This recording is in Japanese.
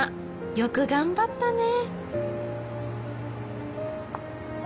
よく頑張ったね」。